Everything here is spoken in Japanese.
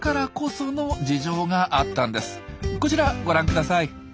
こちらご覧ください。